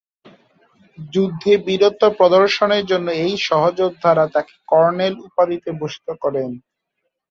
যুদ্ধে বীরত্ব প্রদর্শনের জন্য এই সহযোদ্ধারা তাকে "কর্নেল" উপাধিতে ভূষিত করে।